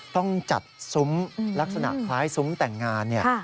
ต้องจัดซุ้มลักษณะคล้ายซุ้มแต่งงานเนี่ย